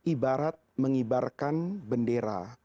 ibarat mengibarkan bendera